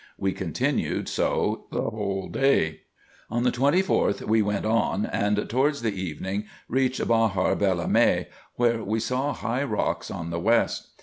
We continued so the whole day. On the 24th we went on, and towards the evening reached Bahar Bela Me, where we saw high rocks on the west.